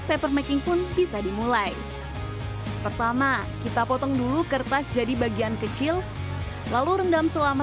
papermaking pun bisa dimulai pertama kita potong dulu kertas jadi bagian kecil lalu rendam selama